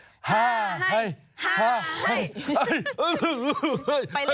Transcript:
ห้าให้ห้าให้